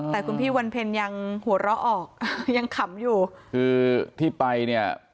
แต่คุณพี่วันเพ็ญยังหัวเราะออกยังขำอยู่คือที่ไปเนี่ย